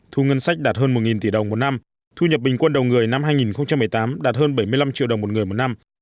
thu ngân sách đạt hơn một tỷ đồng một năm thu nhập bình quân đầu người năm hai nghìn một mươi tám đạt hơn bảy mươi năm triệu đồng một người một năm